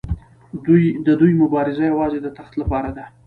د دوی مبارزه یوازې د تخت لپاره ده.